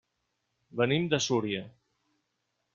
Venim de Súria.